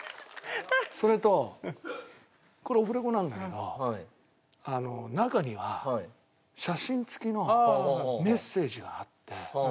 それとこれオフレコなんだけど中には写真付きのメッセージがあって。